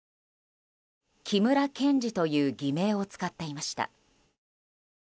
キムラケンジという偽名を使っていました。